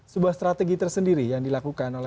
sebuah strategi tersendiri yang dilakukan